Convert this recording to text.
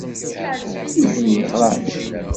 Yuba yeɣra-d?